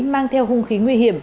mang theo hung khí nguy hiểm